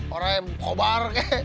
orang kobra ke